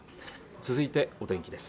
続いてお天気です